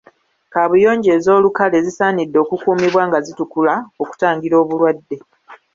Kabuyonjo ez'olukale zisaanidde okukuumibwa nga zitukula okutangira obulwadde.